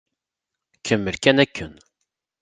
Kemmel kan akken.